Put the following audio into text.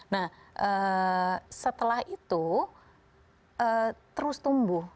nah setelah itu terus tumbuh